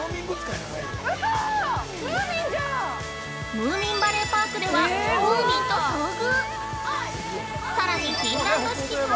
ムーミンバレーパークではムーミンと遭遇！